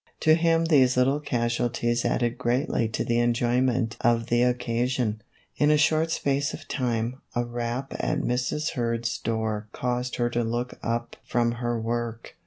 To him these little casu alties added greatly to the enjoyment of the occasion. In a short space of time, a rap at Mrs. Kurd's door caused her to look up from her work.